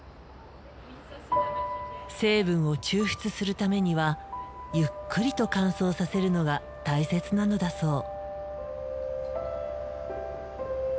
成分を抽出するためにはゆっくりと乾燥させるのが大切なのだそう。